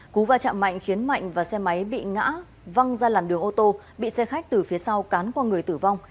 cú va chạm mạnh khiến mạnh và xe máy bị ngã văng ra làn đường ô tô bị xe khách từ phía sau cán qua người tử vong